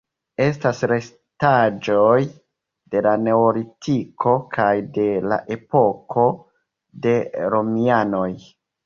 Estas restaĵoj de la Neolitiko kaj de la epoko de romianoj.